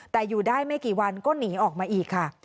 แต่อยู่ได้ไม่กี่วันก็หนีออกมาอีกค่ะ